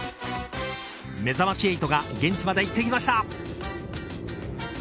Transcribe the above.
めざまし８が現地まで行ってきました。